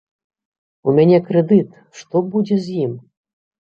У мяне крэдыт, што будзе з ім?